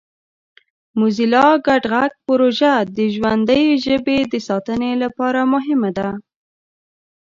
موزیلا ګډ غږ پروژه د ژوندۍ ژبې د ساتنې لپاره مهمه ده.